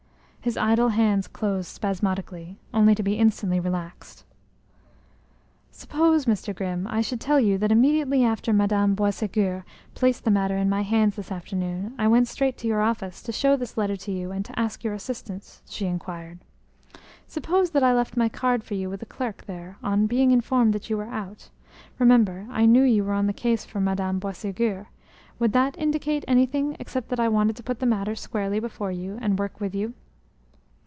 His idle hands closed spasmodically, only to be instantly relaxed. "Suppose, Mr. Grimm, I should tell you that immediately after Madame Boisségur placed the matter in my hands this afternoon I went straight to your office to show this letter to you and to ask your assistance?" she inquired. "Suppose that I left my card for you with a clerk there on being informed that you were out remember I knew you were on the case from Madame Boisségur would that indicate anything except that I wanted to put the matter squarely before you, and work with you?"